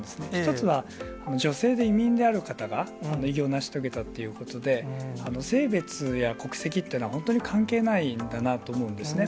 １つは女性で移民である方が、偉業を成し遂げたっていうことで、性別や国籍というのは、本当に関係ないんだなと思うんですね。